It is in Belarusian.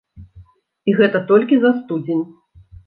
І гэта толькі за студзень.